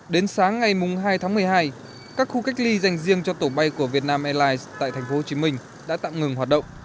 đến sáng ngày hai tháng một mươi hai các khu cách ly dành riêng cho tổ bay của vietnam airlines tại tp hcm đã tạm ngừng hoạt động